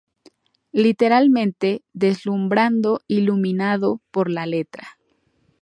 Literalmente deslumbrado, iluminado por la letra".